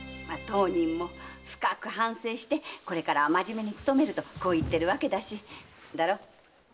当人も深く反省してこれからは真面目に勤めると言ってるわけだしだろ？